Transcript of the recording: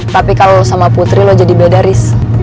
tapi kalo sama putri lo jadi beda riz